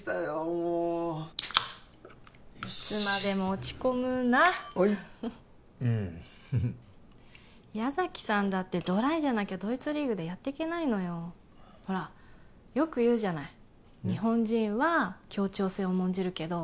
もういつまでも落ち込むなあいっ矢崎さんだってドライじゃなきゃドイツリーグでやってけないのよほらよく言うじゃない日本人は協調性を重んじるけど